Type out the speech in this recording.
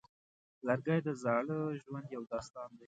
لرګی د زاړه ژوند یو داستان دی.